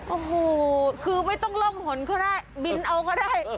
โอ้โหคือไม่ต้องล่องหนก็ได้บินเอาก็ได้